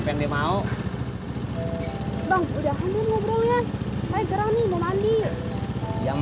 terima kasih im